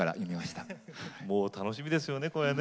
もう楽しみですよねこれね。